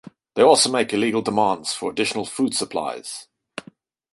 They also make illegal demands for additional food supplies.